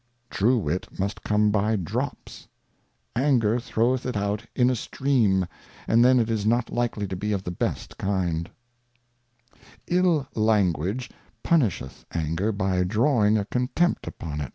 True Wit must come by Drops ; Anger throweth it out in a Stream, and then it is not likely to be of the best kind, 111 Language punisheth Anger by drawing a Contempt upon it.